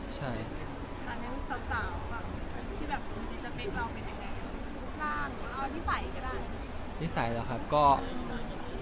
อันนั้นสาวที่แบบจะเบ็กเราเป็นยังไง